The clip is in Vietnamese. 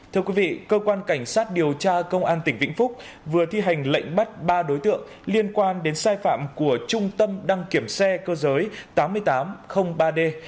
thưa quý vị cơ quan cảnh sát điều tra công an tỉnh vĩnh phúc vừa thi hành lệnh bắt ba đối tượng liên quan đến sai phạm của trung tâm đăng kiểm xe cơ giới tám nghìn tám trăm linh ba d